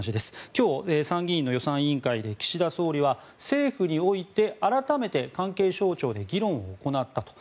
今日、参議院の予算委員会で岸田総理は政府において改めて関係省庁で議論を行ったと。